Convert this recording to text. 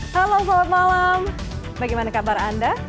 halo selamat malam bagaimana kabar anda